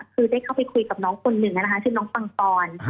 คือได้เข้าไปคุยกับน้องคนหนึ่งนะคะชื่อน้องปังปอน